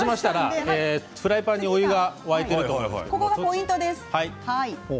ここがポイントです。